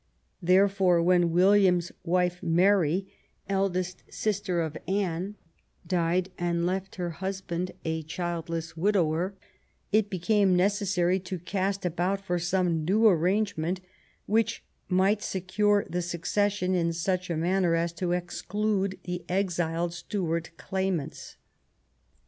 Therefore when William's wife, Mary, eldest sister of Anne, died and left her husband a childless widower, it became necessary to cast about for some new arrangement which might secure the succession in such a manner as to exclude the exiled Stuart claimants.